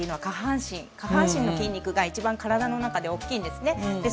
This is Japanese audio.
下半身の筋肉が一番体の中で大きいんですね。